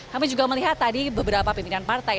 kami juga melihat tadi beberapa pimpinan partai